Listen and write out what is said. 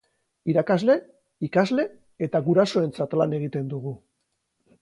Irakasle, ikasle eta gurasoentzat lan egiten dugu.